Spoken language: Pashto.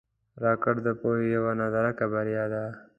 راکټ د پوهې یوه نادره بریا ده